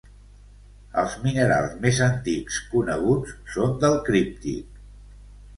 Els minerals més antics coneguts són del Críptic.